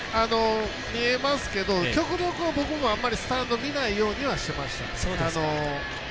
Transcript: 見えますけど極力、僕もあまりスタンドを見ないようにはしてました。